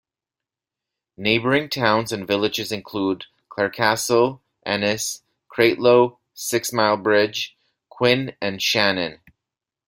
Neighbouring towns and villages include Clarecastle, Ennis, Cratloe, Sixmilebridge, Quin and Shannon.